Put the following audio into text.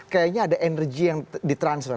kayaknya ada energi yang ditransfer